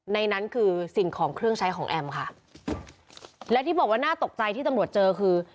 ในนั้นคือสิ่งของเครื่องใช้ของแอมค่ะและที่บอกว่าน่าตกใจที่ตำรวจเจอคือ